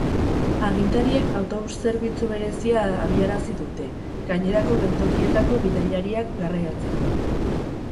Agintariek autobus zerbitzu berezia abiarazi dute, gainerako geltokietako bidaiariak garraiatzeko.